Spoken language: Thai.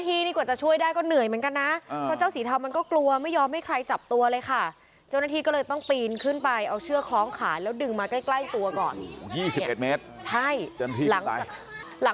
ตอนขึ้นเนี่ยไม่รู้แต่ตอนลงเนี่ยเศร้าเลยค่ะ